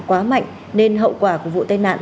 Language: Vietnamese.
quá mạnh nên hậu quả của vụ tai nạn